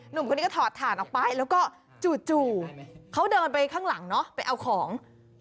หนุ่มคนนี้ก็ถอดถ่านออกไปแล้วก็จู่เขาเดินไปข้างหลังเนอะไปเอาของ